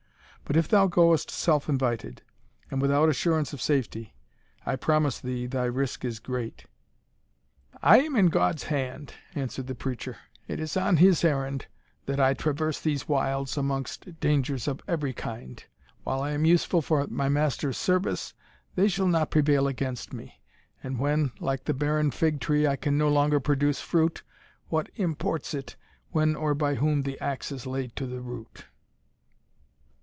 But if thou goest self invited, and without assurance of safety, I promise thee thy risk is great." "I am in God's hand," answered the preacher; "it is on His errand that I traverse these wilds amidst dangers of every kind; while I am useful for my master's service, they shall not prevail against me, and when, like the barren fig tree, I can no longer produce fruit, what imports it when or by whom the axe is laid to the root?"